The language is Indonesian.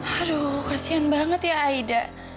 aduh kasian banget ya aida